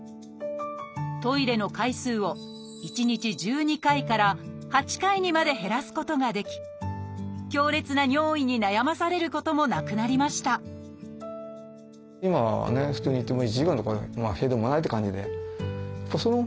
トイレの回数を１日１２回から８回にまで減らすことができ強烈な尿意に悩まされることもなくなりました解放されてます。